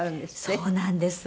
そうなんです。